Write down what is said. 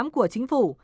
của chính phủ